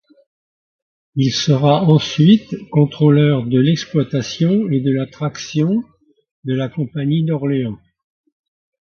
Il sera ensuite contrôleur de l'exploitation et de la traction de la compagnie d'Orléans.